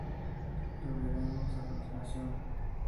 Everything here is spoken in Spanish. Los veremos a continuación.